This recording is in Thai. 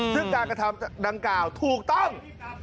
ซึ่งการกระทำดังกล่าวถูกต้อง